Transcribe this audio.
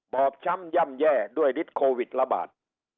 บอบช้ำย่ำแย่ด้วยฤทธิโควิดระบาด